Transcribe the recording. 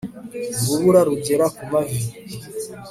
urubura rugera ku mavi